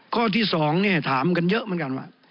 ข้อที่๒เนี่ยถามกันเยอะเหมือนกันว่า